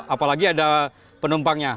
apalagi ada penumpangnya